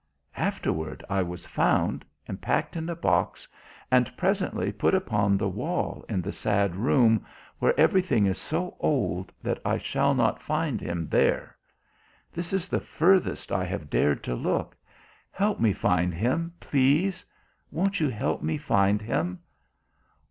Afterward I was found and packed in a box and presently put upon the wall in the sad room, where everything is so old that I shall not find him there. This is the furthest I have dared to look. Help me find him, please! Won't you help me find him?"